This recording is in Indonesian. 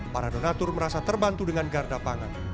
para donatur merasa terbantu dengan garda pangan